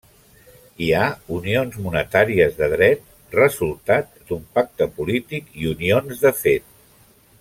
Hi ha unions monetàries de dret, resultat d'un pacte polític i unions de fet.